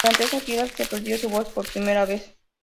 Durante esa gira que perdió su voz por primera vez.